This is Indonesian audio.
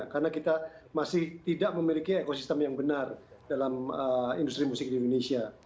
karena kita masih tidak memiliki ekosistem yang benar dalam industri musik di indonesia